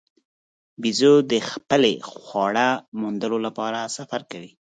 بیزو د خپلې خواړو موندلو لپاره سفر کوي.